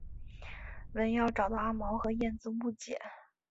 文耀找到阿毛和燕子误解。